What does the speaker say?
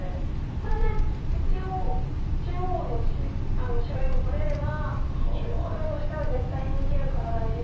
これで一応中央の白１個取れれば黒としては絶対に生きるから大事だと。